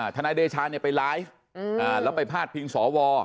ธนายเดชาเนี่ยไปไลฟ์อืมอ่าแล้วไปพาดพิงสอวอ